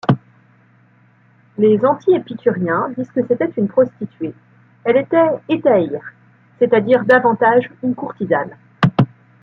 Les anti-épicuriens disent que c'était une prostituée, elle était hétaïre, c'est-à-dire davantage une courtisane.